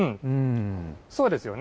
そうですよね。